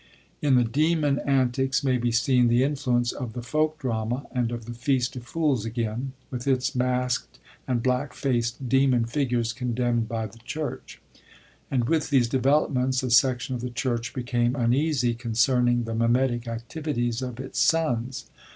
In the demon antics may be seen the influence of the Folk drama and of the Feast of Fools again, with its maskt and black faced demon figures condemnd by the church.' And with these developments a section of the church became uneasy concerning the mimetic activities of its sons.